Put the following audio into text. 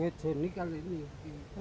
aku di sini kalau ini aku di sini